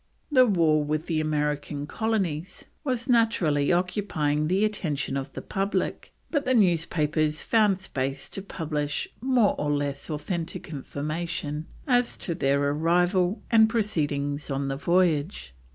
The war with the American colonies was naturally occupying the attention of the public, but the newspapers found space to publish more or less authentic information as to their arrival and proceedings on the voyage.